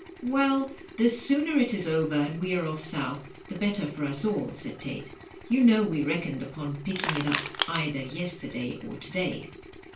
"Well, the sooner it is over and we are off south, the better for us all," said Tate. " You know we reckoned upon picking it up either yesterday or to day."